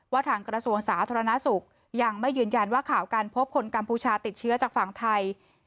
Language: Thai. ทางกระทรวงสาธารณสุขยังไม่ยืนยันว่าข่าวการพบคนกัมพูชาติดเชื้อจากฝั่งไทย